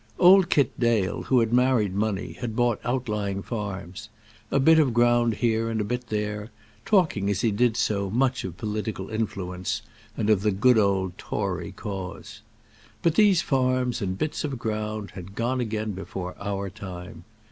Old Kit Dale, who had married money, had bought outlying farms, a bit of ground here and a bit there, talking, as he did so, much of political influence and of the good old Tory cause. But these farms and bits of ground had gone again before our time.